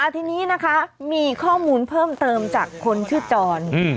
ทีนี้นะคะมีข้อมูลเพิ่มเติมจากคนชื่อจร